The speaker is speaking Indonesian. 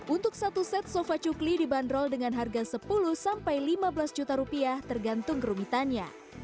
untuk satu set sofa cukli dibanderol dengan harga sepuluh sampai lima belas juta rupiah tergantung kerumitannya